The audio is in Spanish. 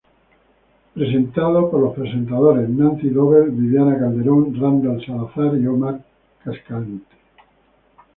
Presentado por los presentadores, Nancy Dobles, Viviana Calderón, Randall Salazar, Omar Cascante